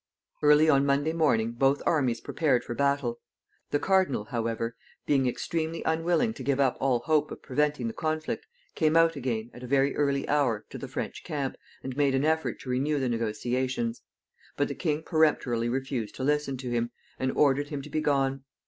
Early on Monday morning both armies prepared for battle. The cardinal, however, being extremely unwilling to give up all hope of preventing the conflict, came out again, at a very early hour, to the French camp, and made an effort to renew the negotiations. But the king peremptorily refused to listen to him, and ordered him to be gone.